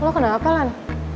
lo kenapa pak lan